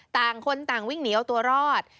ต่างคนต่างวิ่งหนีเอาตัวรอด